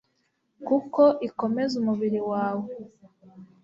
kuko ikomeza umubiri wawe